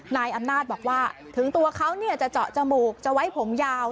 นายอำนาจบอกว่าถึงตัวเขาจะเจาะจมูกจะไว้ผมยาว